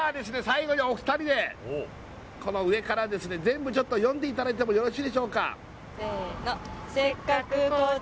最後にお二人でこの上からですね全部読んでいただいてもよろしいでしょうかせー